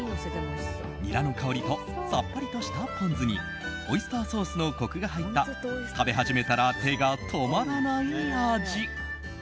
ニラの香りとさっぱりとしたポン酢にオイスターソースのコクが入った食べ始めたら手が止まらない味。